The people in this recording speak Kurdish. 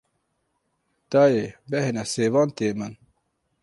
Dayê bêhna sêvan tê min.